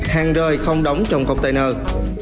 hàng rơi không đóng trong container